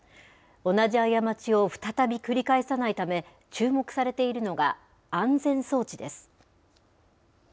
同じ過ちを再び繰り返さないため、注目されているのが、安全装置です。